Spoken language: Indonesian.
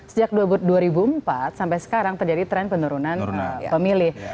sejak dua ribu empat sampai sekarang terjadi tren penurunan pemilih